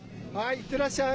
いってらっしゃい。